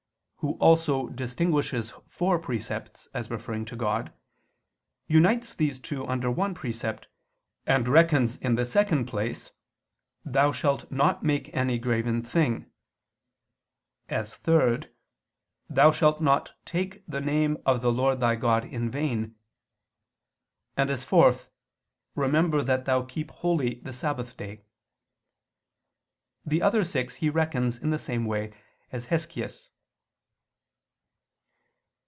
who also distinguishes four precepts as referring to God, unites these two under one precept; and reckons in the second place, "Thou shalt not make ... any graven thing"; as third, "Thou shalt not take the name of the Lord thy God in vain"; and as fourth, "Remember that thou keep holy the Sabbath day." The other six he reckons in the same way as Hesychius.